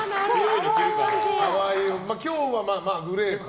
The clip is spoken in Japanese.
今日はグレーか。